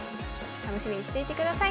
楽しみにしていてください。